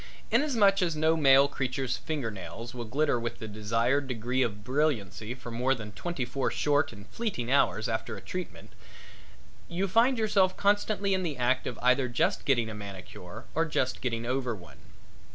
Inasmuch as no male creature's finger nails will glitter with the desired degree of brilliancy for more than twenty four short and fleeting hours after a treatment you find yourself constantly in the act of either just getting a manicure or just getting over one.